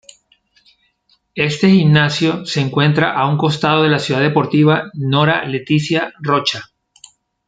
Este gimnasio se encuentra a un costado de la Ciudad Deportiva "Nora Leticia Rocha".